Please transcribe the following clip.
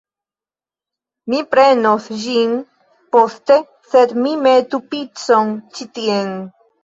Mi prenos ĝin poste, sed mi metu picon ĉi tien